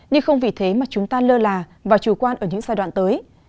nhưng không vì thế mà chúng ta lơ là và chủ quan ở những giai đoạn tới